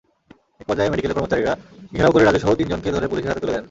একপর্যায়ে মেডিকেলের কর্মচারীরা ঘেরাও করে রাজুসহ তিনজনকে ধরে পুলিশের হাতে তুলে দেন।